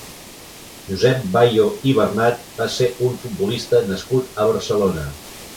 Josep Bayo i Bernad va ser un futbolista nascut a Barcelona.